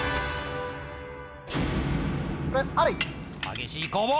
激しい攻防！